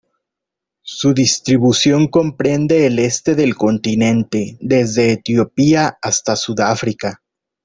Su distribución comprende el este del continente, desde Etiopía hasta Sudáfrica.